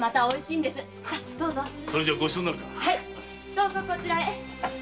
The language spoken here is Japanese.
どうぞこちらへ。